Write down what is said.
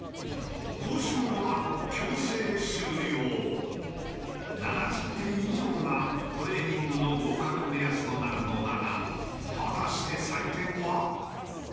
講習は７０点以上がトレーニングの合格目安となるのだが果たして採点は？